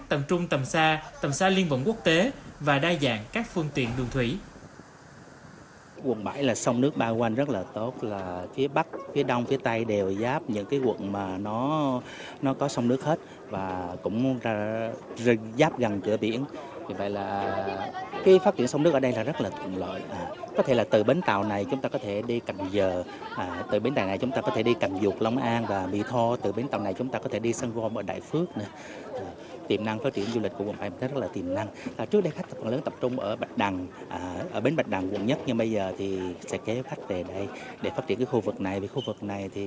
tầm trung tầm xa tầm xa liên vận quốc tế và đa dạng các phương tiện đường thủy